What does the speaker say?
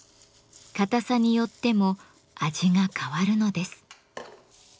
硬さによっても味が変わるのです。